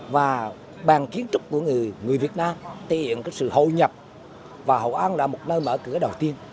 và bàn kiến trúc của người việt nam thể hiện sự hội nhập và hội an là một nơi mở cửa đầu tiên